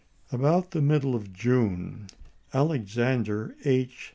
About the middle of June Alexander H.